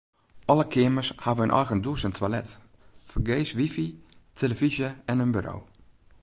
Alle keamers hawwe in eigen dûs en toilet, fergees wifi, tillefyzje en in buro.